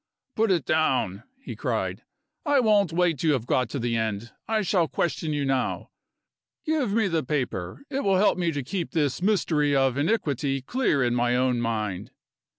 "Put it down!" he cried; "I won't wait till you have got to the end I shall question you now. Give me the paper; it will help me to keep this mystery of iniquity clear in my own mind."